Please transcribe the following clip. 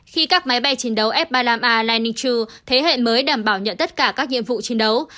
khi các máy bay chiến đấu f ba mươi năm a liningu thế hệ mới đảm bảo nhận tất cả các nhiệm vụ chiến đấu